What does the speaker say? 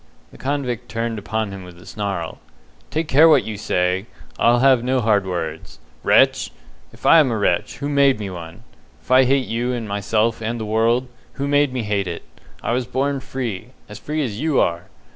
The convict turned upon him with a snarl. "Take care what you say! I'll have no hard words. Wretch! If I am a wretch, who made me one? If I hate you and myself and the world, who made me hate it? I was born free as free as you are.